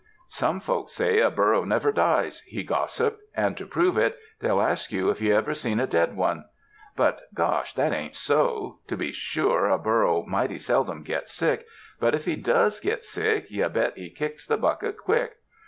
"Some folks say a burro never dies," he gossiped, "and to prove it they'll ask you if you ever seen a dead one. But, gosh, that ain't so. To be sure, a burro mighty seldom gets sick, but if he does git sick, you bet he kicks the bucket quick.